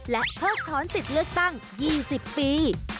เพิกถอนสิทธิ์เลือกตั้ง๒๐ปี